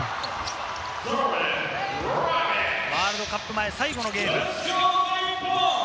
ワールドカップ前、最後のゲーム。